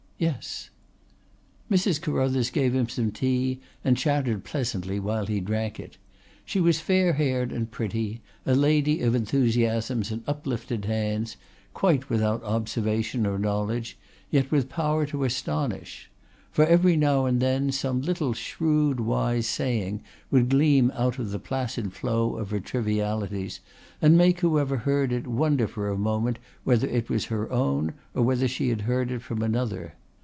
"Yes." Mrs. Carruthers gave him some tea and chattered pleasantly while he drank it. She was fair haired and pretty, a lady of enthusiasms and uplifted hands, quite without observation or knowledge, yet with power to astonish. For every now and then some little shrewd wise saying would gleam out of the placid flow of her trivialities and make whoever heard it wonder for a moment whether it was her own or whether she had heard it from another.